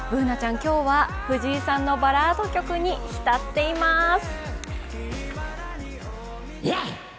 Ｂｏｏｎａちゃん、今日は藤井さんのバラード曲に浸っています。